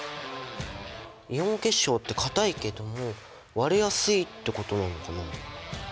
イオン結晶って硬いけども割れやすいってことなのかな？